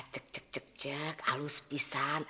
cek cek cek cek alus pisang